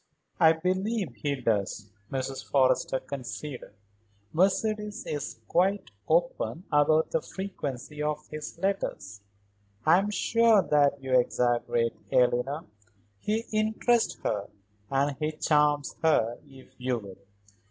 "I believe he does," Mrs. Forrester conceded. "Mercedes is quite open about the frequency of his letters. I am sure that you exaggerate, Eleanor. He interests her, and he charms her if you will.